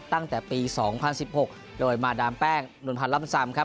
ตั้งแต่ปีสองพันสิบหกโดยมาดามแป้งหนุนพันร่ำซัมครับ